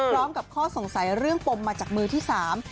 ข้อสงสัยเรื่องปมมาจากมือที่สาม